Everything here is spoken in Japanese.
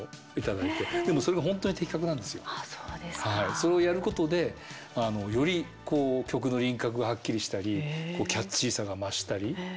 それをやることでより曲の輪郭がはっきりしたりキャッチーさが増したり。